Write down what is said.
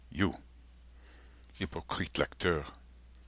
"You! hypocrite lecteur!